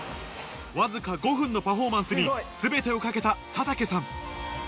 わずか５分のパフォーマンスにすべてをかけた佐竹さん。